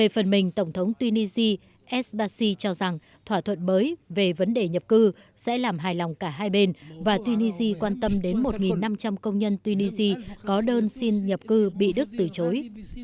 phần mình tổng thống tunisia esbashi cho rằng thỏa thuận mới về vấn đề nhập cư sẽ làm hài lòng cả hai bên và tunisia quan tâm đến một năm trăm linh công nhân tunisia có đơn xin nhập cư bị đức từ chối